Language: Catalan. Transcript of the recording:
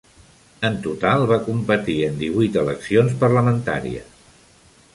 En total, va competir en divuit eleccions parlamentàries.